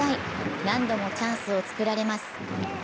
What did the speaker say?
何度もチャンスを作られます。